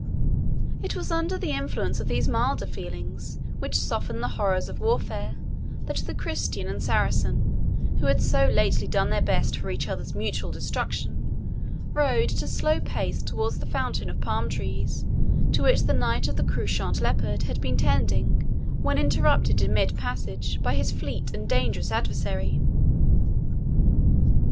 It was under the influence of these milder feelings which soften the horrors of warfare that the Christian and Saracen, who had so lately done their best for each other's mutual destruction, rode at a slow pace towards the fountain of palm trees to which the Knight of the Couchant Leopard had been tending, when interrupted in mid passage by his fleet and dangerous adversary.